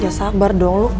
ya sabar dong lu